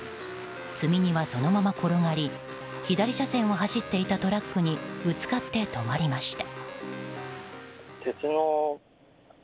積み荷はそのまま転がり左車線を走っていたトラックにぶつかって止まりました。